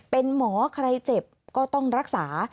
เป็นหมอใครเจ็บก็ต้องรักษา